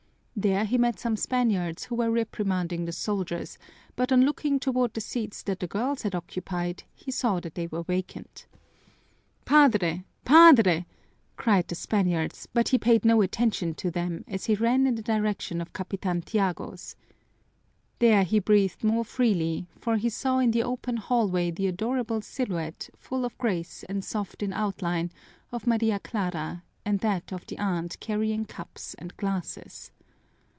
There he met some Spaniards who were reprimanding the soldiers, but on looking toward the seats that the girls had occupied he saw that they were vacant. "Padre! Padre!" cried the Spaniards, but he paid no attention to them as he ran in the direction of Capitan Tiago's. There he breathed more freely, for he saw in the open hallway the adorable silhouette, full of grace and soft in outline, of Maria Clara, and that of the aunt carrying cups and glasses.